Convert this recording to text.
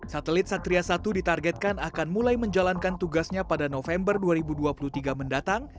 satelit satria satu ditargetkan akan mulai menjalankan tugasnya pada november dua ribu dua puluh tiga mendatang